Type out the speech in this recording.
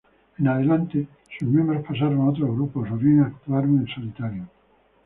En adelante sus miembros pasaron a otros grupos o bien actuaron en solitario.